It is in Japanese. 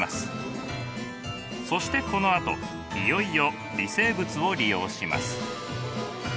そしてこのあといよいよ微生物を利用します。